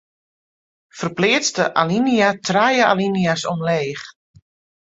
Ferpleats de alinea trije alinea's omleech.